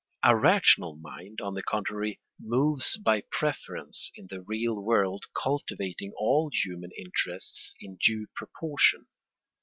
A rational mind, on the contrary, moves by preference in the real world, cultivating all human interests in due proportion.